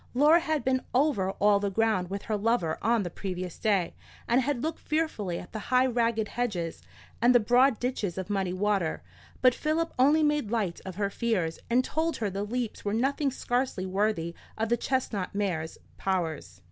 Laura had been over all the ground with her lover on the previous day, and had looked fearfully at the high ragged hedges, and the broad ditches of muddy water. But Philip only made light of her fears, and told her the leaps were nothing, scarcely worthy of the chestnut mare's powers.